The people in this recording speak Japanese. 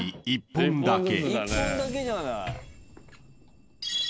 ［１本だけ］